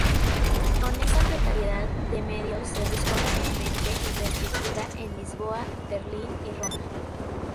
Con esa precariedad de medios se buscó rápidamente infraestructura en Lisboa, Berlín y Roma.